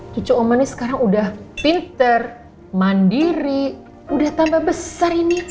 cucu oma nih sekarang udah pinter mandiri udah tambah besar ini